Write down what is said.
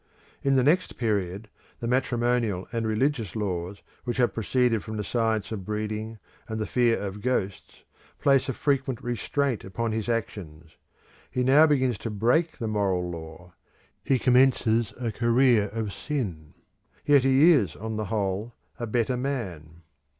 In the next period, the matrimonial and religious laws which have proceeded from the science of breeding and the fear of ghosts place a frequent restraint upon his actions. He now begins to break the moral law; he begins a career of sin; yet he is, on the whole, a better man.